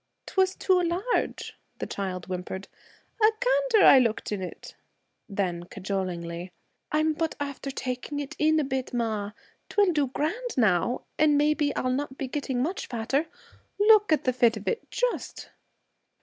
''Twas too large!' the child whimpered. 'A gander I looked in it!' Then, cajolingly, 'I'm but after taking it in a bit, ma. 'Twill do grand now, and maybe I'll not be getting much fatter. Look at the fit of it, just!'